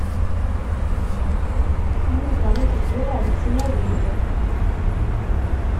Yuba iteddu ɣer tesnawit.